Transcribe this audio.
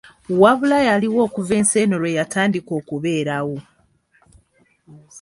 Wabula yaliwo okuva ensi eno lweyatandika okubeerawo.